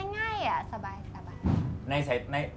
ง่ายสบาย